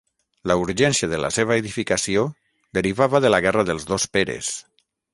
La urgència de la seva edificació derivava de la Guerra dels dos Peres.